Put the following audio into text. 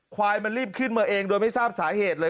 ควายมันรีบขึ้นมาเองโดยไม่ทราบสาเหตุเลย